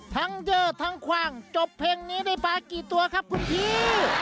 เยอะทั้งคว่างจบเพลงนี้ได้ปลากี่ตัวครับคุณพี่